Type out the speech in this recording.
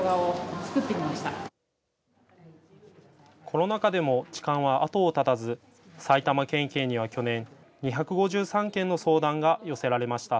コロナ禍でも痴漢は後を絶たず埼玉県警には去年、２５３件の相談が寄せられました。